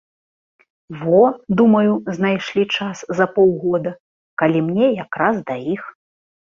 Во, думаю, знайшлі час за паўгода, калі мне як раз да іх.